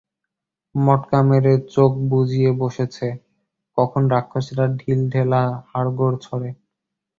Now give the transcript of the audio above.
মটকা মেরে চোখ বুজিয়ে বসেছে, কখন রাক্ষসেরা ঢিলঢেলা হাড়গোড় ছোঁড়ে।